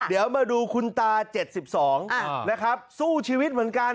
เดี๋ยวมาดูคุณตา๗๒นะครับสู้ชีวิตเหมือนกัน